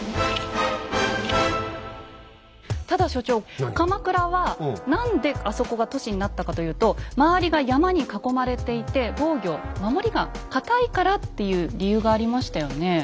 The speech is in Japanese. ただ所長鎌倉は何であそこが都市になったかというと周りが山に囲まれていて防御守りが堅いからっていう理由がありましたよね。